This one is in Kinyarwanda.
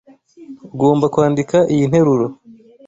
Ugomba kwandika iyi nteruro.